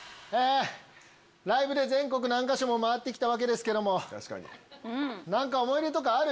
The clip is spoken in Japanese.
ライブで全国何か所も回って来たわけですけども何か思い出とかある？